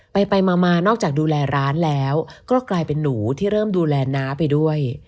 ไปไปมานอกจากดูแลร้านแล้วก็กลายเป็นหนูที่เริ่มดูแลน้าไปด้วย